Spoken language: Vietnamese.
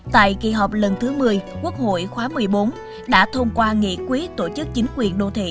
tại kỳ họp lần thứ một mươi quốc hội khóa một mươi bốn đã thông qua nghị quyết tổ chức chính quyền đô thị